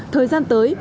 thời gian tới